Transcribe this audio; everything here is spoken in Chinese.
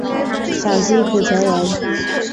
陕西蒲城人。